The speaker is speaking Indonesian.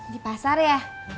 di pasar ya